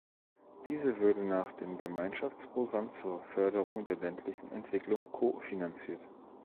Diese würde nach dem Gemeinschaftsprogramm zur Förderung der ländlichen Entwicklung ko-finanziert.